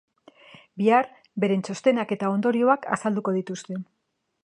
Bihar, beren txostenak eta ondorioak azalduko dituzte.